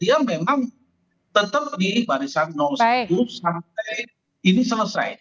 dia memang tetap di barisan satu sampai ini selesai